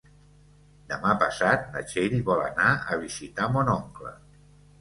Demà passat na Txell vol anar a visitar mon oncle.